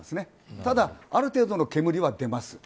ただ、ある程度の煙は出ます。